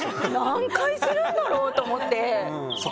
何回するんだろうと思って。